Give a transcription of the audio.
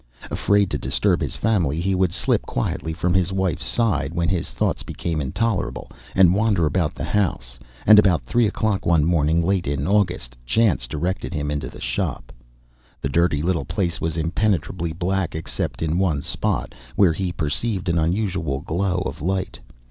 Afraid to disturb his family, he would slip quietly from his wife's side, when his thoughts became intolerable, and wander about the house. And about three o'clock one morning, late in August, chance directed him into the shop. The dirty little place was impenetrably black except in one spot, where he perceived an unusual glow of light.